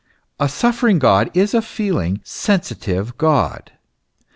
A suffering God is a feeling, sensitive God.